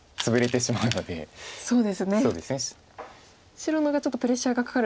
白の方がちょっとプレッシャーがかかる。